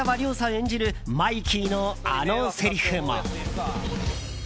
演じるマイキーのあのせりふも。